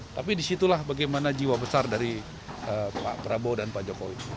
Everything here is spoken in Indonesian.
tapi disitulah bagaimana jiwa besar dari pak prabowo dan pak jokowi